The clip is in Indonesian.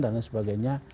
dan lain sebagainya